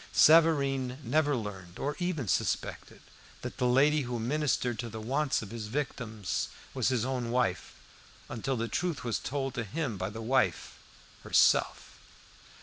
Savareen never learned or even suspected, that the lady who ministered to the wants of his victims was his own wife, until the truth was told to him by the wife herself.